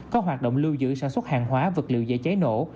có hoạt động lưu giữ sản xuất hàng hóa vật liệu dễ cháy nổ